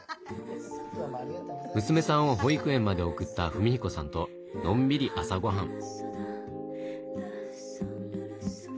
娘さんを保育園まで送った史彦さんとのんびり朝ごはん。